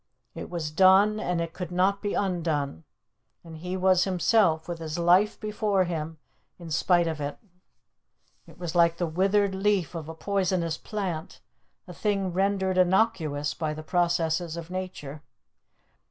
It was done and it could not be undone, and he was himself, with his life before him, in spite of it. It was like the withered leaf of a poisonous plant, a thing rendered innocuous by the processes of nature.